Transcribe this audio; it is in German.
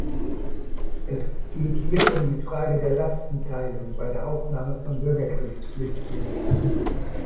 Es geht hier um die Frage der Lastenteilung bei der Aufnahme von Bürgerkriegsflüchtlingen.